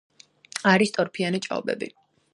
არის ტორფიანი ჭაობები.